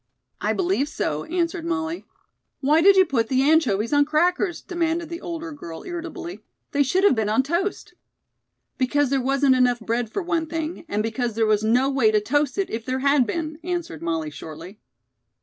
"I believe so," answered Molly. "Why did you put the anchovies on crackers?" demanded the older girl irritably. "They should have been on toast." "Because there wasn't enough bread for one thing, and because there was no way to toast it if there had been," answered Molly shortly.